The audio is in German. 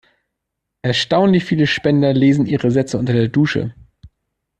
Erstaunlich viele Spender lesen ihre Sätze unter der Dusche.